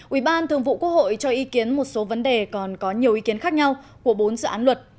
ubthq cho ý kiến một số vấn đề còn có nhiều ý kiến khác nhau của bốn dự án luật